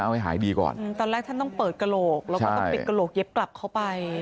เอาให้หายดีก่อนตอนแรกท่านต้องเปิดกระโหลกแล้วก็ต้องปิดกระโหลกเย็บกลับเข้าไป